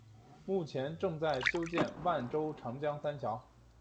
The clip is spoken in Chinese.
目前正在修建万州长江三桥。